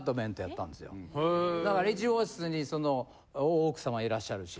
だから１号室にその大奥様いらっしゃるし。